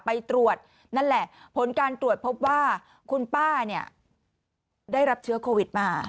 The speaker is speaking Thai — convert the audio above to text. ไปตรวจนั่นแหละผลการตรวจพบว่าคุณป้าเนี่ยได้รับเชื้อโควิดมา